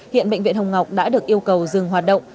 hiện bệnh viện hồng ngọc đã được yêu cầu dừng hoạt động